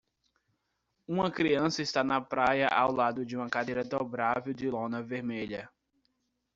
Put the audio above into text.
Uma criança está na praia ao lado de uma cadeira dobrável de lona vermelha.